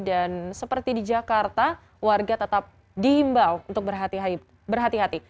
dan seperti di jakarta warga tetap diimbau untuk berhati hati